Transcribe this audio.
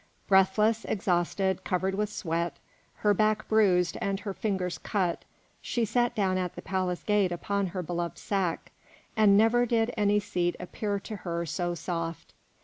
Breathless, exhausted, covered with sweat, her back bruised and her fingers cut, she sat down at the palace gate upon her beloved sack, and never did any seat appear to her so soft.